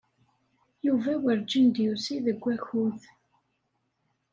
Yuba werǧin d-yusi deg wakud.